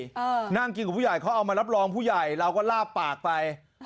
เออนั่งกินกับผู้ใหญ่เขาเอามารับรองผู้ใหญ่เราก็ลาบปากไป